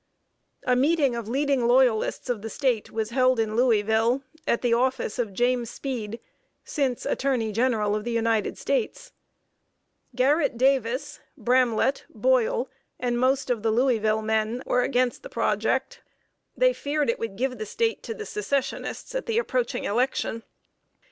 [Sidenote: LOYALTY OF JUDGE LUSK.] A meeting of leading Loyalists of the State was held in Louisville, at the office of James Speed, since Attorney General of the United States. Garrett Davis, Bramlette, Boyle, and most of the Louisville men, were against the project. They feared it would give the State to the Secessionists at the approaching election.